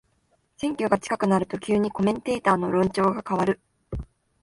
選挙が近くなると急にコメンテーターの論調が変わる